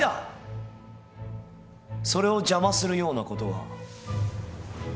それを邪魔するようなことは。